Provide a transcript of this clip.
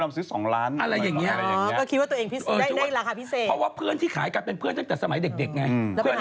แล้วไปถามเพื่อนไหมว่าเอามาจากไหน